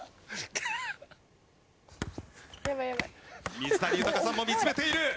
水谷豊さんも見つめている！